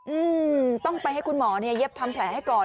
อืมต้องไปให้คุณหมอเนี้ยเย็บทำแผลให้ก่อน